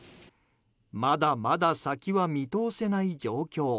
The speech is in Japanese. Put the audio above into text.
まだまだ先は見通せない状況。